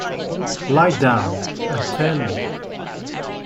Lie down, and tell me.